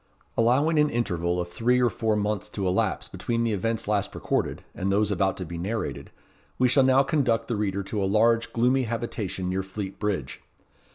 Allowing an interval of three or four months to elapse between the events last recorded, and those about to be narrated, we shall now conduct the reader to a large, gloomy habitation near Fleet Bridge.